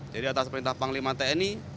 jadi atas perintah panglima tni